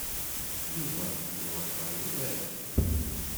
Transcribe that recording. Yuba yuɣal ɣer urar.